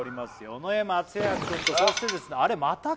尾上松也くんとそしてですねあれ？